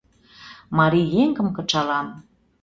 — Марий еҥым кычалам...